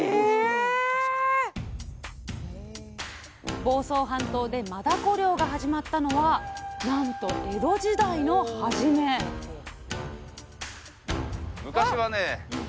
房総半島でマダコ漁が始まったのはなんと江戸時代の初め昔はね